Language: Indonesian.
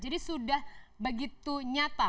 jadi sudah begitu nyata